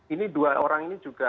ini dua orang ini juga